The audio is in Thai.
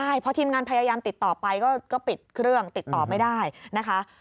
ใช่พอทีมงานพยายามติดต่อไปก็ปิดเครื่องติดต่อไม่ได้นะคะ